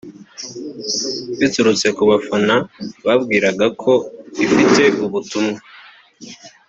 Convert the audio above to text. biturutse ku bafana bambwiraga ko ifite ubutumwa